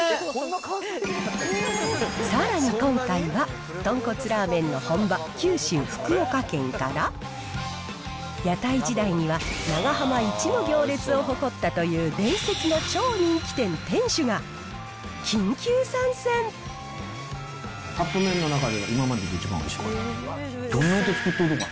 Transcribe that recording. さらに今回は、豚骨ラーメンの本場、九州・福岡県から、屋台時代には長浜一の行列を誇ったという伝説の超人気店店主が、カップ麺の中で今までで一番おいしかった。